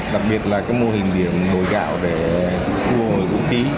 đặc biệt là mô hình điểm nồi gạo để thu hồi vũ khí